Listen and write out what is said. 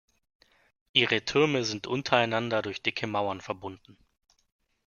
Ihre Türme sind untereinander durch dicke Mauern verbunden.